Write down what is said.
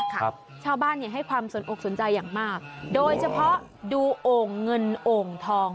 ชาวบ้านเนี่ยให้ความสนอกสนใจอย่างมากโดยเฉพาะดูโอ่งเงินโอ่งทอง